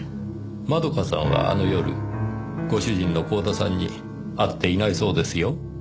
窓夏さんはあの夜ご主人の光田さんに会っていないそうですよ。